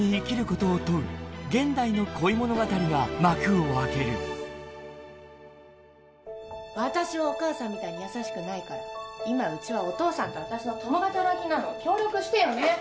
この春現代の恋物語が幕を開ける私はお母さんみたいに優しくないから今うちはお父さんと私の共働きなの協力してよね！